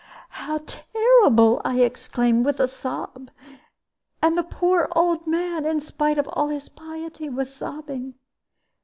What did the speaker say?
"How terrible!" I exclaimed, with a sob. And the poor old man, in spite of all his piety, was sobbing.